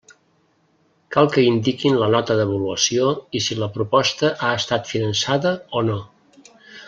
Cal que indiquin la nota d'avaluació i si la proposta ha estat finançada o no.